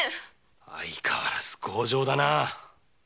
相変わらず強情だな。